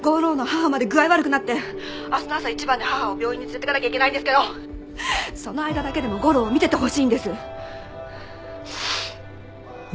明日の朝一番で母を病院に連れていかなきゃいけないんですけどその間だけでも吾良を見ててほしいんです。